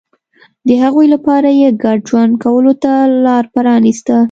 د هغوی لپاره یې ګډ ژوند کولو ته لار پرانېسته.